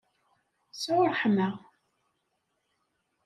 Sɛu ṛṛeḥma!